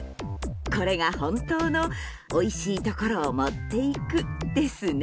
これが本当の、おいしいところを持っていくですね。